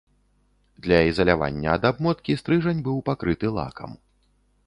Для ізалявання ад абмоткі, стрыжань быў пакрыты лакам.